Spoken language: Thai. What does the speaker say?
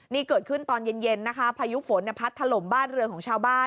นี่เกิดขึ้นตอนเย็นนะคะพายุฝนพัดถล่มบ้านเรือนของชาวบ้าน